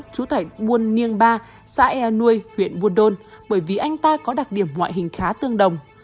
trú tại buôn niêng ba xã ea nuôi huyện buôn đôn bởi vì anh ta có đặc điểm ngoại hình khá tương đồng